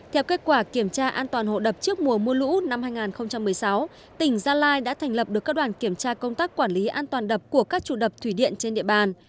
theo kết quả kiểm tra an toàn hồ đập trước mùa mưa lũ năm hai nghìn một mươi sáu tỉnh gia lai đã thành lập được các đoàn kiểm tra công tác quản lý an toàn đập của các chủ đập thủy điện trên địa bàn